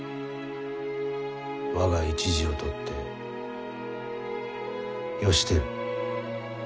我が一字を取って吉輝。